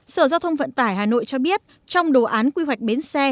sở giao thông vận tải hà nội cho biết trong đồ án quy hoạch bến xe